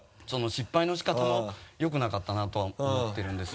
失敗の仕方も良くなかったなとは思ってるんです。